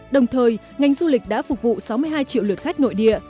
đồng thời ngành du lịch đã phục vụ sáu mươi hai triệu lượt khách nội địa